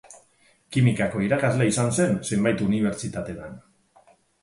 Kimikako irakaslea izan zen zenbait unibertsitatetan.